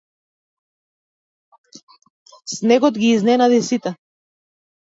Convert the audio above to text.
Снегот ги изненади сите.